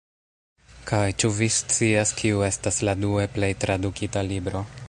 Kaj ĉu vi scias, kiu estas la due plej tradukita libro?